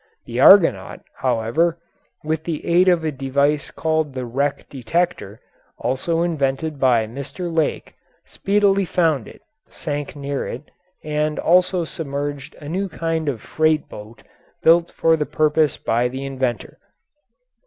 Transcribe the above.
The Argonaut, however, with the aid of a device called the "wreck detector," also invented by Mr. Lake, speedily found it, sank near it, and also submerged a new kind of freight boat built for the purpose by the inventor.